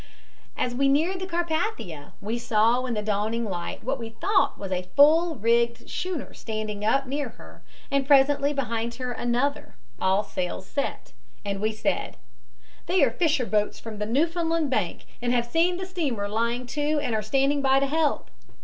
"As we neared the Carpathia we saw in the dawning light what we thought was a full rigged schooner standing up near her, and presently behind her another, all sails set, and we said: 'They are fisher boats from the Newfoundland bank and have seen the steamer lying to and are standing by to help.'